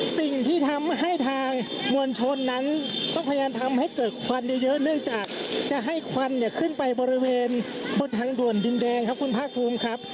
สิ่งที่ทำให้ทางมวลชนนั้นต้องพยายามทำให้เกิดควันเยอะเนื่องจากจะให้ควันเนี่ยขึ้นไปบริเวณบนทางด่วนดินแดงครับคุณภาคภูมิครับ